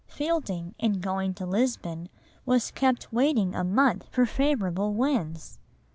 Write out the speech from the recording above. Fielding, in going to Lisbon, was kept waiting a month for favourable winds!